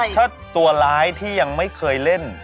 ถ้าตัวร้ายที่ยังไม่เคยเล่น